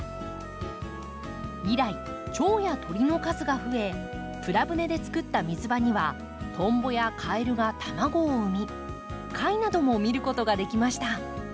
以来チョウや鳥の数がふえプラ舟でつくった水場にはトンボやカエルが卵を産み貝なども見ることができました。